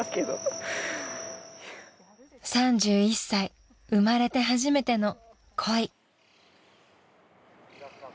［３１歳生まれて初めての恋］